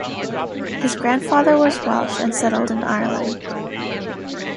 His grandfather was Welsh and settled in Ireland.